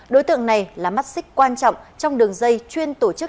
đối tượng này là mắt xích quan trọng trong đường dây chuyên tổ chức